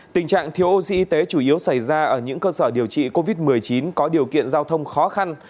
tình trạng thiếu oxy y tế chủ yếu xảy ra ở những cơ sở điều trị covid một mươi chín có điều kiện giao thông khó khăn